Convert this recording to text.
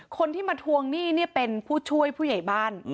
คนที่มาทวงหนี้เนี่ยเป็นผู้ช่วยผู้ใหญ่บ้าน